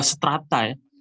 sebelas seterata ya